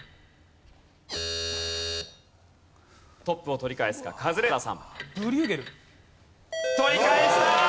トップを取り返すか？